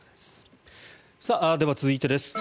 では、続いてです。